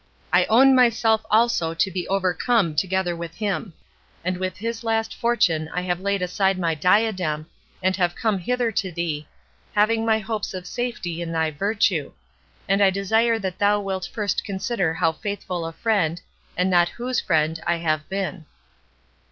I own myself also to be overcome together with him; and with his last fortune I have laid aside my diadem, and am come hither to thee, having my hopes of safety in thy virtue; and I desire that thou wilt first consider how faithful a friend, and not whose friend, I have been."